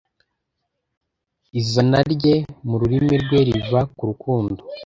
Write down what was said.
izana rye mu rurimi rwe riva ku rukundo